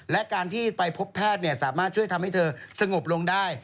และการที่ไปพบแพทย์สามารถช่วยทำให้เธอสงบลงได้